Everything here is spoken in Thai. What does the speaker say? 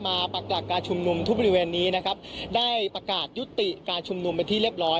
ปรักหลักการชุมนุมทุกบริเวณนี้นะครับได้ประกาศยุติการชุมนุมเป็นที่เรียบร้อย